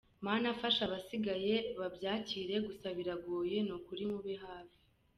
Mana fasha abasigaye babyakire gusa biragoye nukuri mube hafi!.